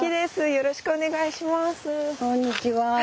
よろしくお願いします。